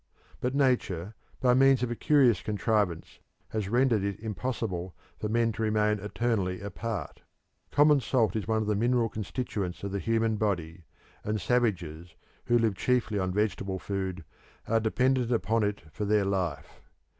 But nature, by means of a curious contrivance, has rendered it impossible for men to remain eternally apart. Common salt is one of the mineral constituents of the human body, and savages, who live chiefly on vegetable food, are dependent upon it for their life.